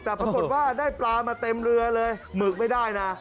แต่ปรากฏว่าได้ปลามาเต็มเรือเลยหมึกไม่ได้นะ